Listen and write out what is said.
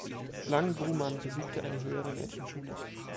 Lang-Brumann besuchte eine höhere Mädchenschule.